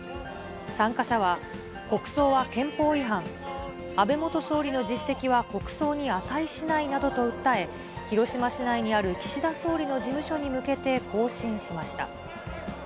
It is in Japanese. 参加者は、国葬は憲法違反、安倍元総理の実績は国葬に値しないなどと訴え、広島市内にある岸田総理の事務所に向けて行進しました。